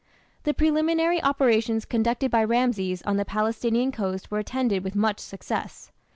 The preliminary operations conducted by Rameses on the Palestinian coast were attended with much success.